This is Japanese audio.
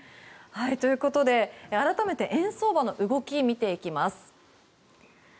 ということで改めて円相場の動きを見ていきます。